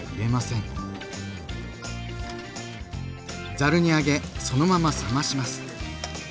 ざるにあげそのまま冷まします。